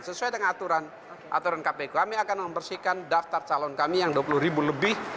sesuai dengan aturan aturan kpu kami akan membersihkan daftar calon kami yang dua puluh ribu lebih